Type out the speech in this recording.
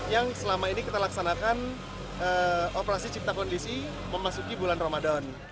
yang selama ini kita laksanakan operasi cipta kondisi memasuki bulan ramadan